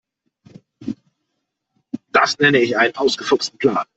Das nenne ich einen ausgefuchsten Plan.